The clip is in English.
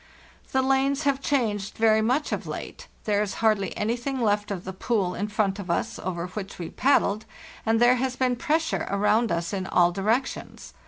" The lanes have changed very much of late; there is hardly anything left of the pool in front of us, over which we paddled, and there has been pressure around us in all directions.